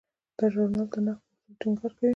دا ژورنال د نقد په اصولو ټینګار کوي.